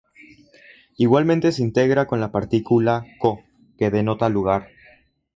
Igualmente se integra con la partícula co, que denota lugar.